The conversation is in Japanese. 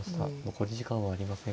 残り時間はありません。